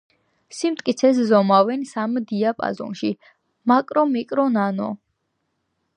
სიმტკიცეს ზომავენ სამ დიაპაზონში: მაკრო, მიკრო, ნანო.